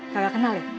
kagak kenal ya